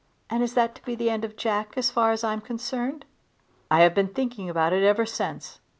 "And is that to be the end of Jack as far as I'm concerned?" "I have been thinking about it ever since.